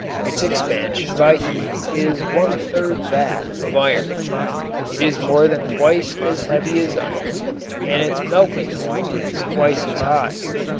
Its expansion by heat is one third that of iron. It is more than twice as heavy as iron and its melting point is twice as high.